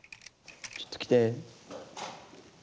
ちょっと来て。